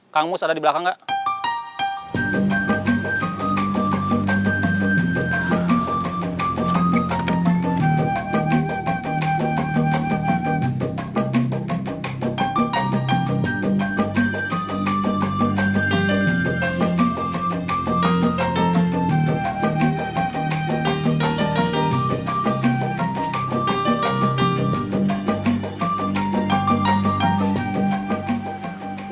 kang mus ada di belakang gak